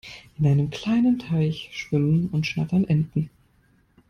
In einem kleinen Teich schwimmen und schnattern Enten.